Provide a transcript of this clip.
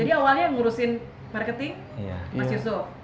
jadi awalnya ngurusin marketing mas yusuf